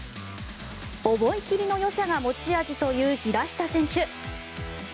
思い切りのよさが持ち味という平下選手。